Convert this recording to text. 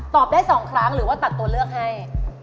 ได้๒ครั้งหรือว่าตัดตัวเลือกให้